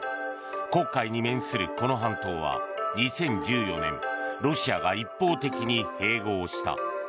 黒海に面する、この半島は２０１４年ロシアが一方的に併合した。